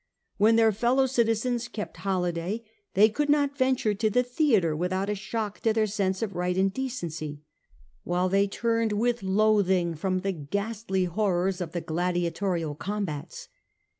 When their fellow citizens kept holiday, they could not venture to the theatre without a shock to their sense of right and decency, while they turned with loathing from the ghastly horrors of the gladiatorial combats.